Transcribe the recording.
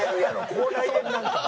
口内炎なんか。